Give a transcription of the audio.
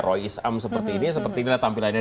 roy isam seperti ini seperti inilah tampilannya